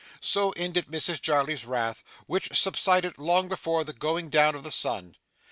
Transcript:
So ended Mrs Jarley's wrath, which subsided long before the going down of the sun.